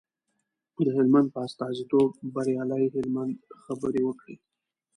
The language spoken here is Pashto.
د هلمند په استازیتوب بریالي هلمند خبرې وکړې.